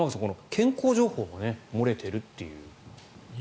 健康情報が漏れているという。